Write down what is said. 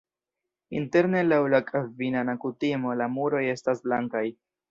Interne laŭ la kalvinana kutimo la muroj estas blankaj.